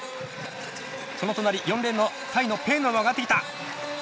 その隣４レーンのタイのペンヌーアも上がってきた。